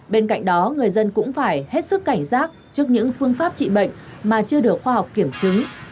bên cạnh đó người dân cũng phải hết sức cảnh giác trước những phương pháp trị bệnh mà chưa được khoa học kiểm chứng